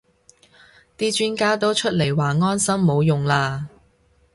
啲專家都出嚟話安心冇用啦